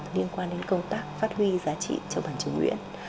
liên quan đến công tác phát huy giá trị châu bản trường nguyễn